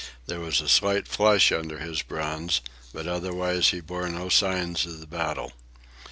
There was a slight flush under his bronze, but otherwise he bore no signs of the battle.